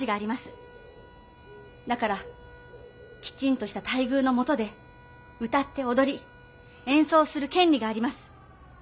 だからきちんとした待遇のもとで歌って踊り演奏する権利があります。